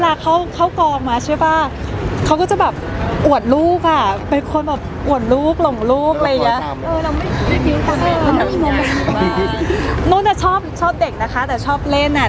โน้ทจะชอบเด็กแต่ชอบเล่น